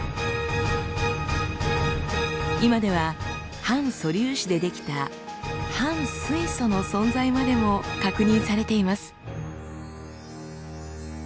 今では反素粒子で出来た反水素の存在までも確認されています。